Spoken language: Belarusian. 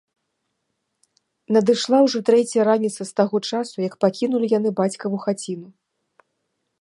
Надышла ўжо трэцяя раніца з таго часу, як пакінулі яны бацькавую хаціну